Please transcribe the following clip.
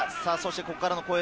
ここからの攻撃。